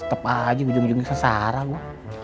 tetep aja bujung bujung sengsara gua